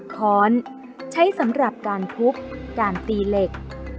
ค้อนใช้สำหรับการทุบการตีเหล็ก